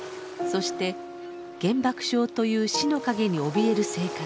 そして原爆症という死の影におびえる生活。